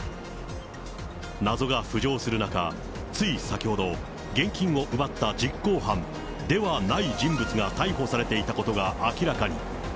謎が浮上する中、つい先ほど、現金を奪った実行犯ではない人物が逮捕されていたことが明らかに。